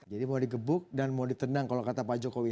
jadi mau di gebuk dan mau di tendang kalau kata pak jokowi